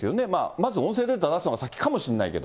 まず音声データを出すのが先かもしれないけど。